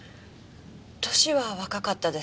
歳は若かったです。